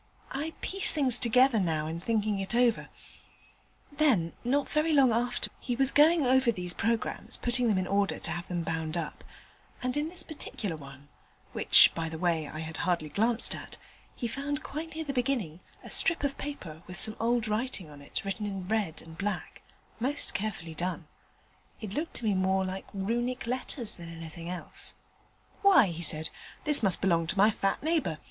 I piece things together now in thinking it over. Then, not very long after, he was going over these programmes, putting them in order to have them bound up, and in this particular one (which by the way I had hardly glanced at), he found quite near the beginning a strip of paper with some very odd writing on it in red and black most carefully done it looked to me more like Runic letters than anything else. "Why," he said, "this must belong to my fat neighbour.